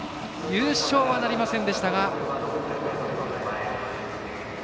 優勝はなりませんでした。